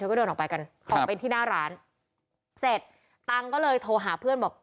ก็เดินออกไปกันออกไปที่หน้าร้านเสร็จตังค์ก็เลยโทรหาเพื่อนบอก